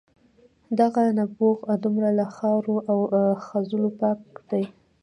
دغه نبوغ دومره له خاورو او خځلو پاک دی.